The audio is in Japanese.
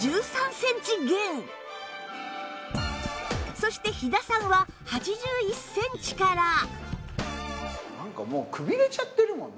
そして飛騨さんは８１センチからなんかもうくびれちゃってるもんな。